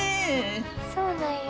そうなんや。